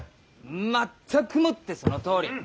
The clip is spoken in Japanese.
全くもってそのとおり！